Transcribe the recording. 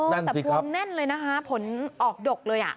นั่นสิครับอ๋อแต่พวงแน่นเลยนะฮะผลออกดกเลย